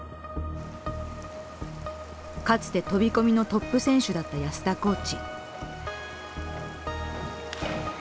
かつて飛び込みのトップ選手だった安田コーチ。